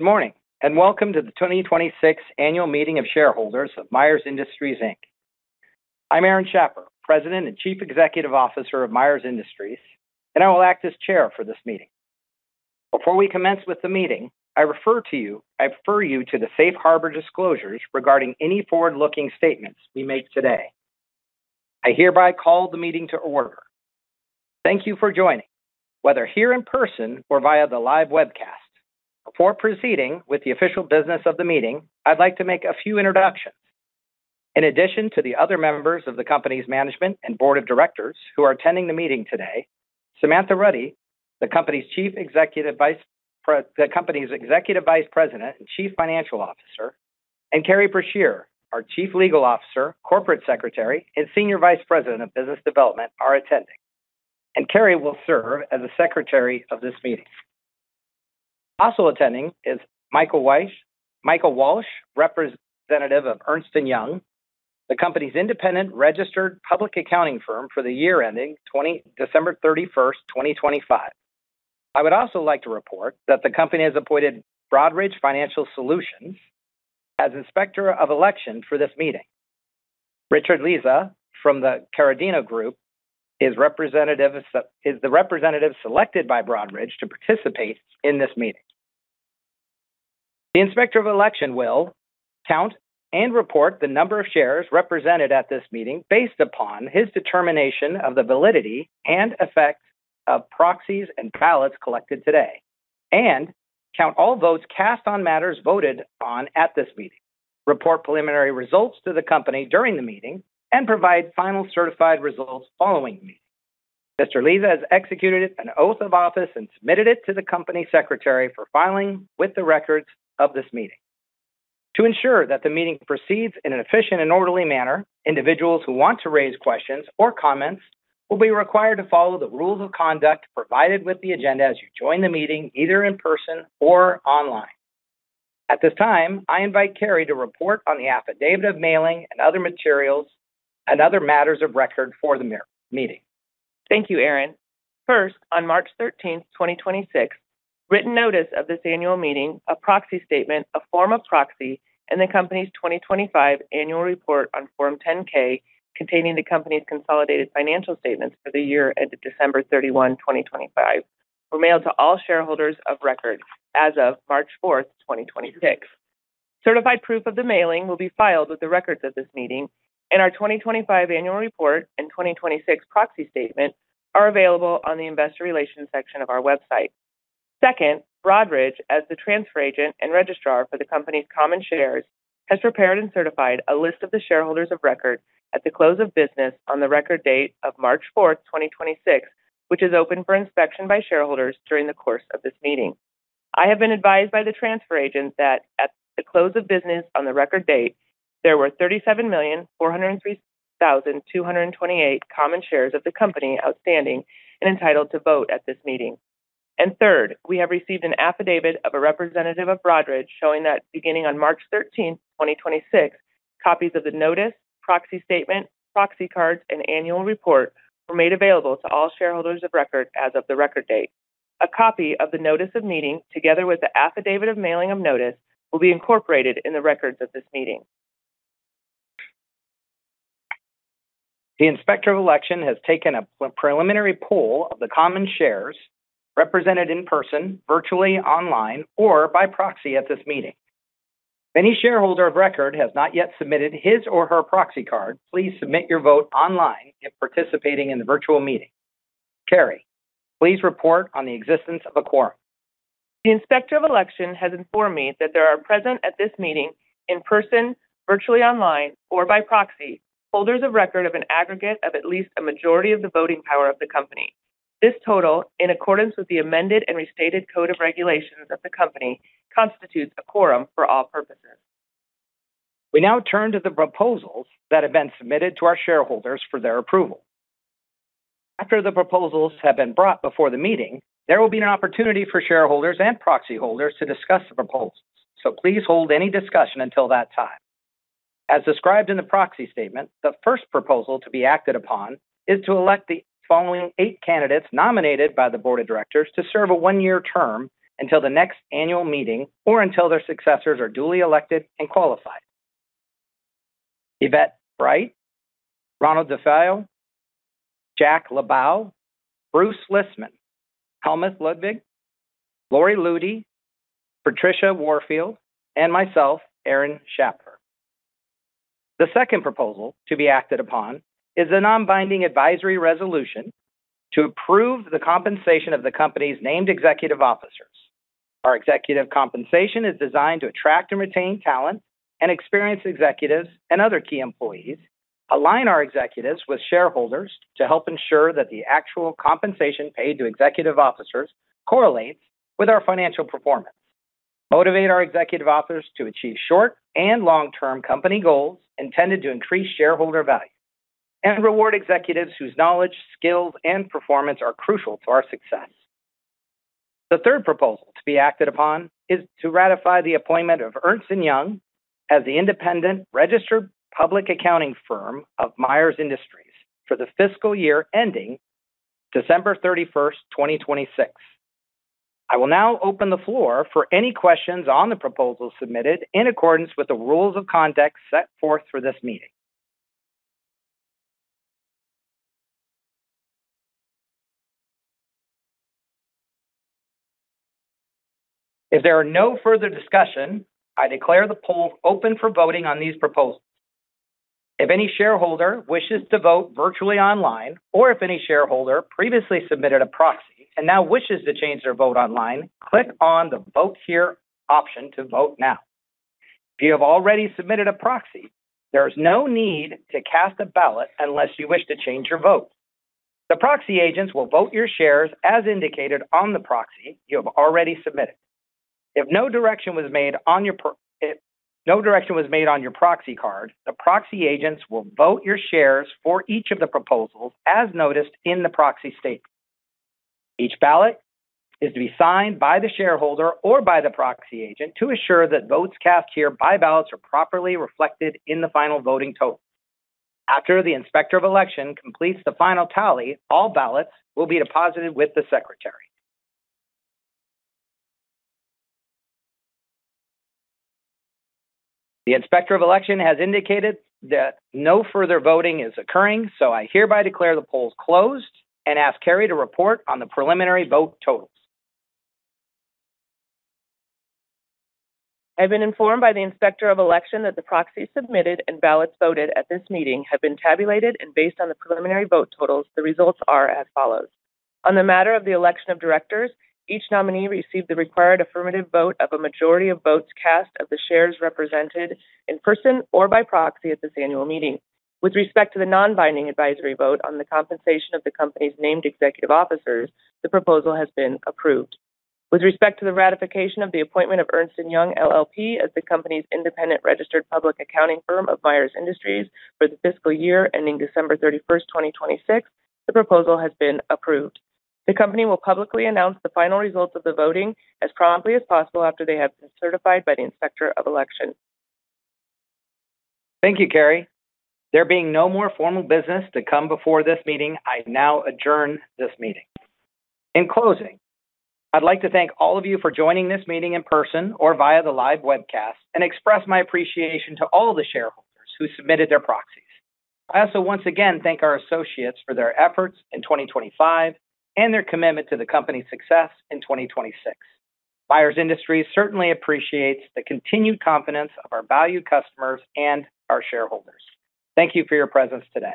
Good morning, and welcome to the 2026 Annual Meeting of Shareholders of Myers Industries, Inc. I'm Aaron Schapper, President and Chief Executive Officer of Myers Industries, and I will act as Chair for this meeting. Before we commence with the meeting, I refer you to the safe harbor disclosures regarding any forward-looking statements we make today. I hereby call the meeting to order. Thank you for joining, whether here in person or via the live webcast. Before proceeding with the official business of the meeting, I'd like to make a few introductions. In addition to the other members of the company's management and board of directors who are attending the meeting today, Samantha Rutty, the company's Executive Vice President and Chief Financial Officer, and Kari Brashear, our Chief Legal Officer, Corporate Secretary, and Senior Vice President of Business Development, are attending. Kari will serve as the secretary of this meeting. Also attending is Michael Walsh, representative of Ernst & Young, the company's independent registered public accounting firm for the year ending December 31st, 2025. I would also like to report that the company has appointed Broadridge Financial Solutions as Inspector of Election for this meeting. Richard Lizza from the Corradino Group is the representative selected by Broadridge to participate in this meeting. The Inspector of Election will count and report the number of shares represented at this meeting based upon his determination of the validity and effect of proxies and ballots collected today, count all votes cast on matters voted on at this meeting, report preliminary results to the company during the meeting, and provide final certified results following the meeting. Mr. Lizza has executed an oath of office and submitted it to the company secretary for filing with the records of this meeting. To ensure that the meeting proceeds in an efficient and orderly manner, individuals who want to raise questions or comments will be required to follow the rules of conduct provided with the agenda as you join the meeting, either in person or online. At this time, I invite Kari to report on the affidavit of mailing and other materials and other matters of record for the meeting. Thank you, Aaron. First, on March 13th, 2026, written notice of this annual meeting, a proxy statement, a form of proxy, and the company's 2025 annual report on Form 10-K containing the company's consolidated financial statements for the year ended December 31, 2025, were mailed to all shareholders of record as of March 4th, 2026. Certified proof of the mailing will be filed with the records of this meeting, and our 2025 annual report and 2026 proxy statement are available on the investor relations section of our website. Second, Broadridge, as the transfer agent and registrar for the company's common shares, has prepared and certified a list of the shareholders of record at the close of business on the record date of March 4th, 2026, which is open for inspection by shareholders during the course of this meeting. I have been advised by the transfer agent that at the close of business on the record date, there were 37,403,228 common shares of the company outstanding and entitled to vote at this meeting. Third, we have received an affidavit of a representative of Broadridge showing that beginning on March 13th, 2026, copies of the notice, proxy statement, proxy cards, and annual report were made available to all shareholders of record as of the record date. A copy of the notice of meeting, together with the affidavit of mailing of notice, will be incorporated in the records of this meeting. The Inspector of Election has taken a preliminary poll of the common shares represented in person, virtually, online, or by proxy at this meeting. If any shareholder of record has not yet submitted his or her proxy card, please submit your vote online if participating in the virtual meeting. Kari, please report on the existence of a quorum. The Inspector of Election has informed me that there are present at this meeting in person, virtually, online, or by proxy, holders of record of an aggregate of at least a majority of the voting power of the company. This total, in accordance with the amended and restated Code of Regulations of the company, constitutes a quorum for all purposes. We now turn to the proposals that have been submitted to our shareholders for their approval. After the proposals have been brought before the meeting, there will be an opportunity for shareholders and proxy holders to discuss the proposals. Please hold any discussion until that time. As described in the proxy statement, the first proposal to be acted upon is to elect the following eight candidates nominated by the board of directors to serve a one-year term until the next annual meeting or until their successors are duly elected and qualified. Yvette Bright, Ronald DeFeo, Jack Liebau, Bruce Lisman, Helmuth Ludwig, Lori Lutey, Patricia Warfield, and myself, Aaron Schapper. The second proposal to be acted upon is a non-binding advisory resolution to approve the compensation of the company's named executive officers. Our executive compensation is designed to attract and retain talent and experienced executives and other key employees, align our executives with shareholders to help ensure that the actual compensation paid to executive officers correlates with our financial performance, motivate our executive officers to achieve short and long-term company goals intended to increase shareholder value, and reward executives whose knowledge, skills, and performance are crucial to our success. The third proposal to be acted upon is to ratify the appointment of Ernst & Young as the independent registered public accounting firm of Myers Industries for the fiscal year ending December 31st, 2026. I will now open the floor for any questions on the proposals submitted in accordance with the rules of conduct set forth for this meeting. If there are no further discussion, I declare the poll open for voting on these proposals If any shareholder wishes to vote virtually online, or if any shareholder previously submitted a proxy and now wishes to change their vote online, click on the Vote Here option to vote now. If you have already submitted a proxy, there is no need to cast a ballot unless you wish to change your vote. The proxy agents will vote your shares as indicated on the proxy you have already submitted. If no direction was made on your proxy card, the proxy agents will vote your shares for each of the proposals as noticed in the proxy statement. Each ballot is to be signed by the shareholder or by the proxy agent to assure that votes cast here by ballots are properly reflected in the final voting total. After the Inspector of Election completes the final tally, all ballots will be deposited with the Secretary. The Inspector of Election has indicated that no further voting is occurring, so I hereby declare the polls closed and ask Kari to report on the preliminary vote totals. I've been informed by the Inspector of Election that the proxies submitted and ballots voted at this meeting have been tabulated, and based on the preliminary vote totals, the results are as follows. On the matter of the election of directors, each nominee received the required affirmative vote of a majority of votes cast of the shares represented in person or by proxy at this annual meeting. With respect to the non-binding advisory vote on the compensation of the company's named executive officers, the proposal has been approved. With respect to the ratification of the appointment of Ernst & Young LLP as the company's independent registered public accounting firm of Myers Industries for the fiscal year ending December 31st, 2026, the proposal has been approved. The company will publicly announce the final results of the voting as promptly as possible after they have been certified by the Inspector of Election. Thank you, Kari. There being no more formal business to come before this meeting, I now adjourn this meeting. In closing, I'd like to thank all of you for joining this meeting in person or via the live webcast and express my appreciation to all the shareholders who submitted their proxies. I also once again thank our associates for their efforts in 2025 and their commitment to the company's success in 2026. Myers Industries certainly appreciates the continued confidence of our valued customers and our shareholders. Thank you for your presence today.